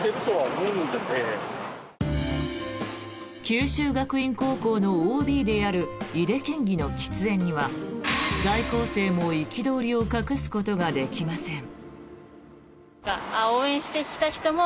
九州学院高校のＯＢである井手県議の喫煙には在校生も憤りを隠すことができません。